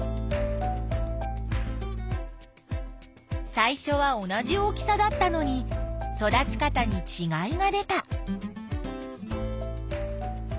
最初は同じ大きさだったのに育ち方にちがいが出た。